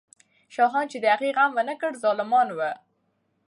شاهان چې د هغې غم ونه کړ، ظالمان وو.